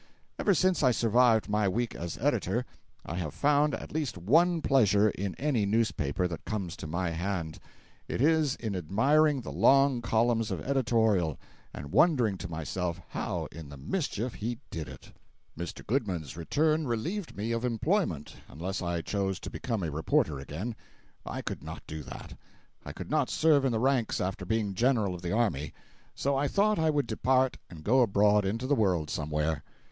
Ever since I survived my week as editor, I have found at least one pleasure in any newspaper that comes to my hand; it is in admiring the long columns of editorial, and wondering to myself how in the mischief he did it! Mr. Goodman's return relieved me of employment, unless I chose to become a reporter again. I could not do that; I could not serve in the ranks after being General of the army. So I thought I would depart and go abroad into the world somewhere.